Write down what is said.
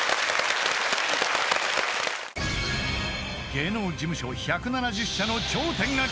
［芸能事務所１７０社の頂点が決まる］